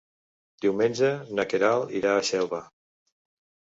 Diumenge na Queralt irà a Xelva.